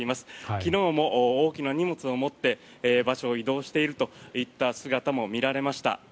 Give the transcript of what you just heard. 昨日も大きな荷物を持って場所を移動しているといった姿も見られました。